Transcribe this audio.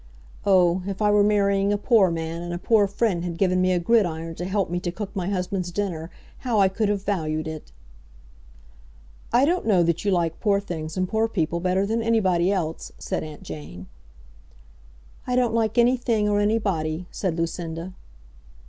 Oh, if I were marrying a poor man, and a poor friend had given me a gridiron to help me to cook my husband's dinner, how I could have valued it!" "I don't know that you like poor things and poor people better than anybody else," said Aunt Jane. "I don't like anything or anybody," said Lucinda.